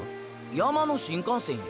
山の新幹線や。